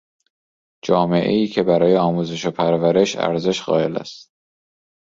جامعهای که برای آموزش و پرورش ارزش قایل است